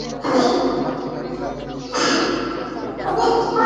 মোরাতাকে বিক্রির কথা রিয়াল এবং কেনার কথা জুভেন্টাস নিশ্চিত করেছে গতকাল।